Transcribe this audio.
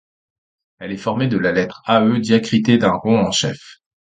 Elle est formée de la lettre Æ diacritée d’un rond en chef.